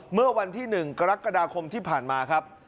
เมื่อวันที่๑กลักษณ์กรรมที่ผ่านมา